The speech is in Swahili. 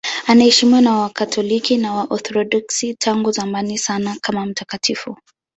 Anaheshimiwa na Wakatoliki na Waorthodoksi tangu zamani sana kama mtakatifu.